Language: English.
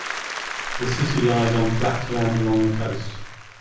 The city lies on flat land along the coast.